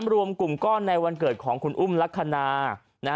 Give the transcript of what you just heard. รวมกลุ่มก้อนในวันเกิดของคุณอุ้มลักษณะ